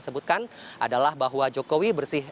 sebutkan adalah bahwa jokowi bersih